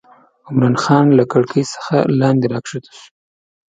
عمرا خان له کړکۍ څخه لاندې راکښته شو.